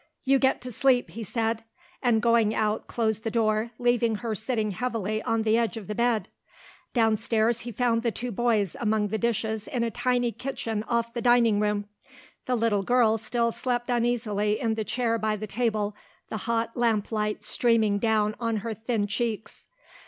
"You get to sleep," he said, and going out closed the door, leaving her sitting heavily on the edge of the bed. Downstairs he found the two boys among the dishes in a tiny kitchen off the dining room. The little girl still slept uneasily in the chair by the table, the hot lamp light streaming down on her thin cheeks.